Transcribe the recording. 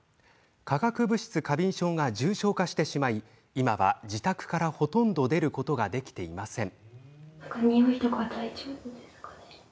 化学物質過敏症が重症化してしまい今は自宅から、ほとんど出ることができていません。